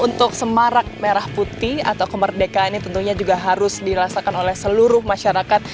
untuk semarak merah putih atau kemerdekaan ini tentunya juga harus dirasakan oleh seluruh masyarakat